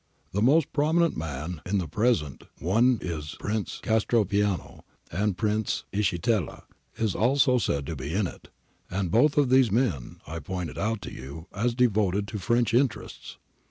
The most pro minent man in the present one is Prince Castropiano, and Prince Ischitella is also said to be in it, and both of these men I pointed out to you as devoted to French interests.